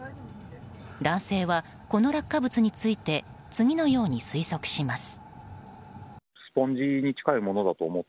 男性は、この落下物について次のように推測します。